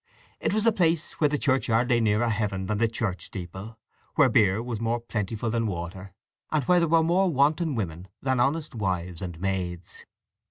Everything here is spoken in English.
It was a place where the churchyard lay nearer heaven than the church steeple, where beer was more plentiful than water, and where there were more wanton women than honest wives and maids.